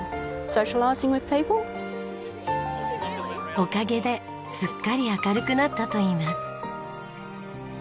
おかげですっかり明るくなったといいます。